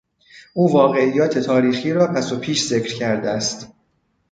او واقعیات تاریخی را پس و پیش ذکر کرده است.